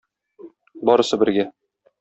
Барысы бергә.